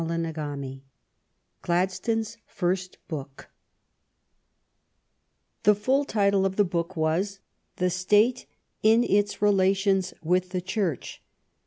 CHAPTER VI Gladstone's first book The full title of the book was " The State in its Relations with the Church."